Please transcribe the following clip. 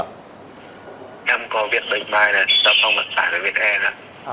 năm có viện bệnh mai này giao phòng mặt trải là viện e này